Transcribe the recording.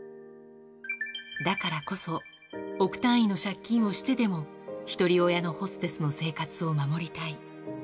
だからこそ、億単位の借金をしてでも、ひとり親のホステスの生活を守りたい。